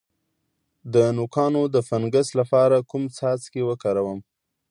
د نوکانو د فنګس لپاره کوم څاڅکي وکاروم؟